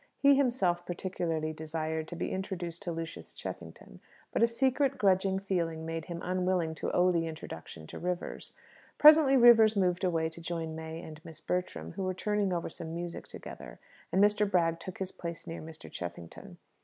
He himself particularly desired to be introduced to Lucius Cheffington, but a secret, grudging feeling made him unwilling to owe the introduction to Rivers. Presently Rivers moved away to join May and Miss Bertram, who were turning over some music together, and Mr. Bragg took his place near Mr. Cheffington.